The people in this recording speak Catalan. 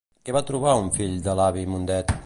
Què va trobar un fill de l'avi Mundet?